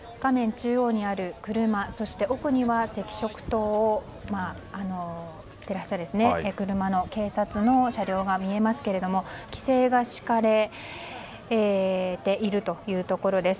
中央にある車、そして奥には赤色灯を照らした警察の車両が見えますけれども、規制が敷かれているというところです。